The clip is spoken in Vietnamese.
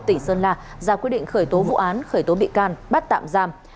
tỉnh sơn la ra quyết định khởi tố vụ án khởi tố bị can bắt tạm giam